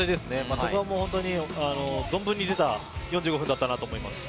それは本当に存分に出た４５分だったなと思います。